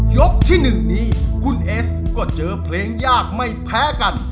ที่๑นี้คุณเอสก็เจอเพลงยากไม่แพ้กัน